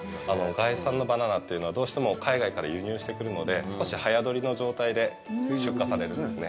外国産のバナナというのは、どうしても海外から輸入してくるので少し早どりの状態で出荷されるんですね。